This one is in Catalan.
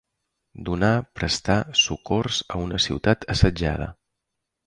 Donar, prestar, socors a una ciutat assetjada.